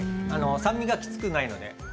酸味がきつくないので。